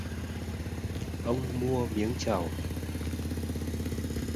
Ông mua miếng trầu